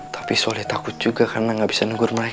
tapi soleh takut juga karena gak bisa negur mereka